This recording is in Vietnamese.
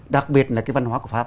đặc biệt là cái văn hóa của pháp